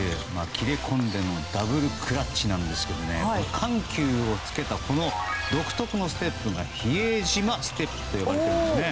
切れ込んでのダブルクラッチなんですけど緩急をつけたこの独特のステップが比江島ステップと呼ばれているんですね。